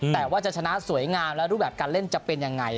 แต่ว่าจะชนะสวยงามและรูปแบบการเล่นจะเป็นยังไง